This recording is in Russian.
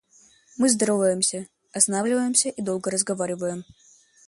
Мы здороваемся, останавливаемся и долго разговариваем.